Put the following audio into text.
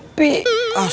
cepetan pak herman